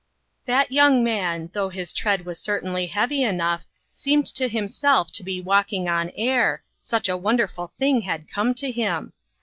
That young man, though his tread was certainly heavy enough, seemed to himself to be walking on air, such a wonderful tiling had come to him